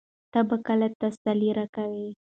ته به کله تسلي راکوې؟